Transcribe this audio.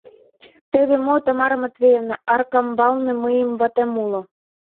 — Теве мо, Тамара Матвеевна, Аркамбалне мыйын ватем уло.